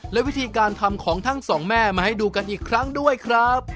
และวิธีการทำของทั้งสองแม่มาให้ดูกันอีกครั้งด้วยครับ